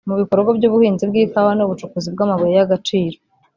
mu bikorwa by’ubuhinzi bw’ikawa n’ubucukuzi bw’amabuye y’agaciro